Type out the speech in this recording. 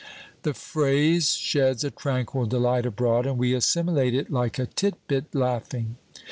'" The phrase sheds a tranquil delight abroad, and we assimilate it like a tit bit, laughing.